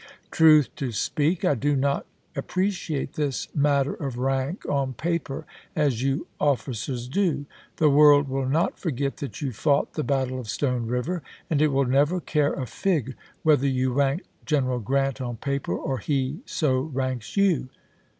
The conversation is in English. Truth to speak, I do not appre ciate this matter of rank on paper as you officers do. The world will not forget that you fought the battle of Stone River, and it will never care a fig whether you rank General Grant on paper or he so ranks you.